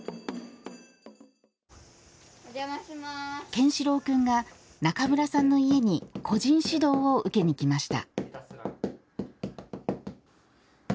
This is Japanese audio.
健志郎君が中村さんの家に個人指導を受けに来ました。